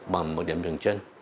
bằng một điểm dừng chân